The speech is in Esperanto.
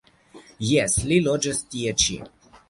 Jes, li loĝas tie ĉi.